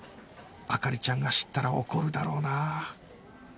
灯ちゃんが知ったら怒るだろうな